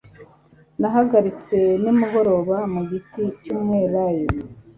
nahagaritse nimugoroba, mu giti cy'umwelayo